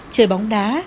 chơi bóng đá